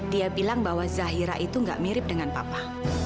dia bilang bahwa zahira itu gak mirip dengan papa